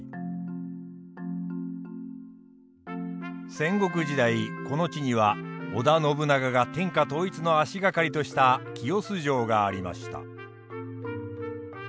戦国時代この地には織田信長が天下統一の足掛かりとした清洲城がありました。